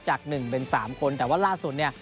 จาก๑เป็น๓คนแต่ว่าล่าสุดเนี่ย